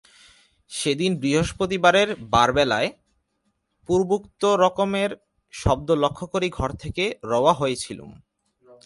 সেদিন বৃহস্পতিবারের বারবেলায় পূর্বোক্ত রকমের শব্দ লক্ষ্য করেই ঘর থেকে রওয়া হয়েছিলুম।